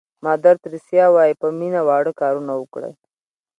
مادر تریسیا وایي په مینه واړه کارونه وکړئ.